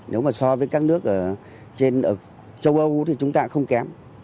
nếu mà so với các nước ở trên châu âu thì chúng ta không kém